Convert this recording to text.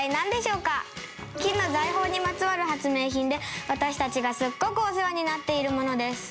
金の財宝にまつわる発明品で私たちがすっごくお世話になっているものです。